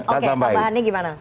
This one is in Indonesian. oke tambahannya gimana